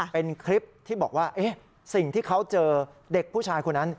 เป็นคลิปที่บอกว่าสิ่งที่เขาเจอเด็กผู้ชายคนนั้น